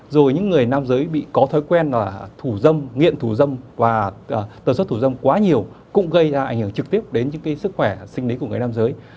rồi những người nam giới bị có thói quen là thủ dâm nghiện thủ dâm và tờ xuất thủ dâm quá nhiều cũng gây ra ảnh hưởng trực tiếp đến những sức khỏe sinh lý của người nam giới